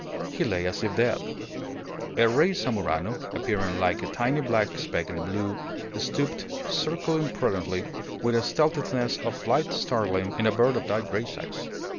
He lay as if dead. A rey zamuro, appearing like a tiny black speck in the blue, stooped, circling prudently with a stealthiness of flight startling in a bird of that great size.